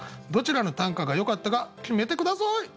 どちらの短歌がよかったか決めて下さい！